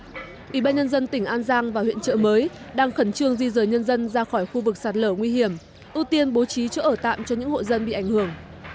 ủy ban nhân dân tỉnh an giang và huyện trợ mới đang khẩn trương di rời nhân dân ra khỏi khu vực sạt lở nguy hiểm ưu tiên bố trí chỗ ở tạm cho những hộ dân bị ảnh hưởng